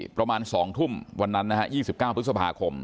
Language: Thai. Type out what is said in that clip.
ประมาณ๒ทุ่มวันนั้น๒๙ศพ